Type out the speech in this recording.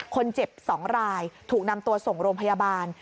คนเจ็บ๒รายถูกนำตัวส่งโรงพยาบาล